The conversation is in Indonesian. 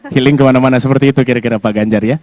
healing kemana mana seperti itu kira kira pak ganjar ya